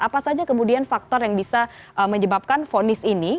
apa saja kemudian faktor yang bisa menyebabkan fonis ini